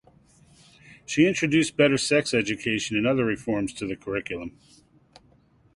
She introduced better sex education and other reforms to the curriculum.